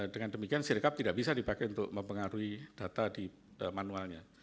dengan demikian sirkup tidak bisa dipakai untuk mempengaruhi data di manualnya